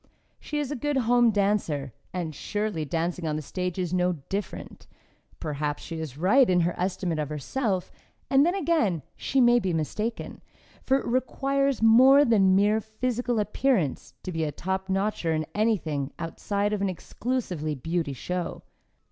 She is a good home dancer, and surely dancing on the stage is no different! Perhaps she is right in her estimate of herself, and then again she may be mistaken, for it requires more than mere physical appearance to be a top notcher in anything outside of an exclusively beauty show.